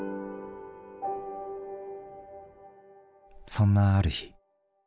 そんなある日。